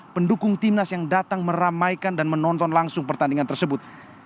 pendukung timnas yang datang meramaikan dan menonton langsung pertandingan tersebut